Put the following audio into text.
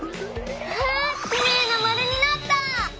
わあきれいなまるになった！